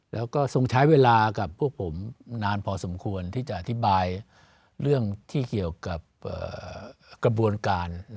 แล้วก็ทรงใช้เวลากับพวกผมนานพอสมควรที่จะอธิบายเรื่องที่เกี่ยวกับกระบวนการ